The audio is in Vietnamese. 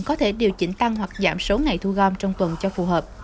có thể điều chỉnh tăng hoặc giảm số ngày thu gom trong tuần cho phù hợp